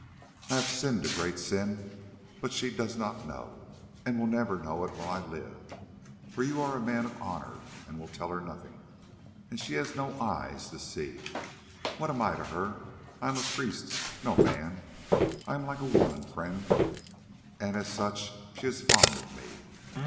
I have sinned a great sin, but she does not know, and will never know it while I live, for you are a man of honour and will tell her nothing, and she has no eyes to see. What am I to her? I am a priest—no man. I am like a woman friend, and as such she is fond of me.